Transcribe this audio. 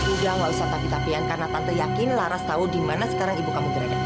udah gak usah tapi tapian karena tante yakin laras tau dimana sekarang ibu kamu terada